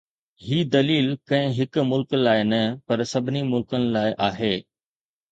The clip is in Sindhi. هي دليل ڪنهن هڪ ملڪ لاءِ نه، پر سڀني ملڪن لاءِ آهي.